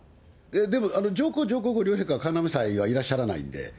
でも、上皇、上皇后両陛下は神嘗祭はいらっしゃらないんで。